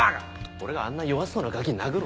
俺があんな弱そうなガキ殴る